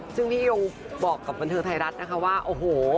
ซึ่งพี่ยงบอกกับบันเทิงไทยรัฐนะคะว่าโอ้โห